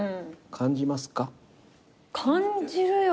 感じるよ。